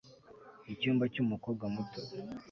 Icyumba cyumukobwa muto